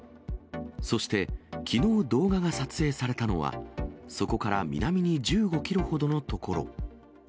そして、きのう動画が撮影されたのは、そこから南に１５キロほどの所。